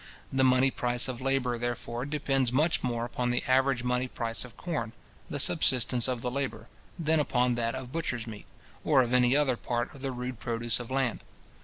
The money price of labour, therefore, depends much more upon the average money price of corn, the subsistence of the labourer, than upon that of butcher's meat, or of any other part of the rude produce of land.